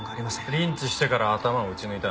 リンチしてから頭を撃ち抜いた。